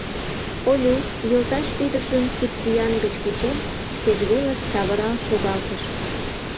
— Олю, йолташ ӱдыржым кидпӱан гыч кучен, шкеж велыш савырал шогалтыш.